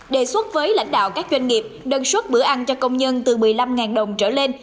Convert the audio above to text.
đề xuất với lãnh đạo các doanh nghiệp đơn xuất bữa ăn cho công nhân từ một mươi năm đồng trở lên